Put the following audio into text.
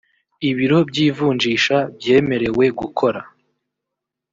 ibiro by ivunjisha byemerewe gukora